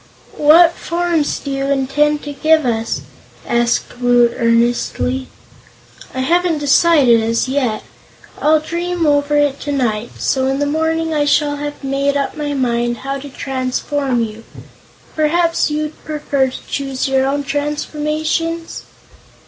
"What forms do you intend to give us?" asked Woot earnestly. "I haven't decided, as yet. I'll dream over it tonight, so in the morning I shall have made up my mind how to transform you. Perhaps you'd prefer to choose your own transformations?"